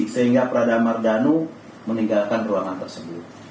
sehingga pradama ardhanu meninggalkan ruangan tersebut